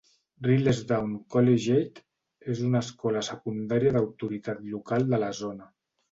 Riddlesdown Collegiate és una escola secundària d'autoritat local de la zona.